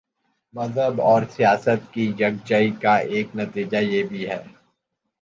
مذہب اور سیاست کی یک جائی کا ایک نتیجہ یہ بھی ہے۔